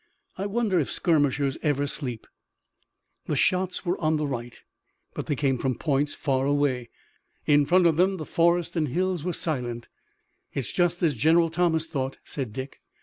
I wonder if skirmishers ever sleep?" The shots were on the right, but they came from points far away. In front of them the forest and hills were silent. "It's just as General Thomas thought," said Dick.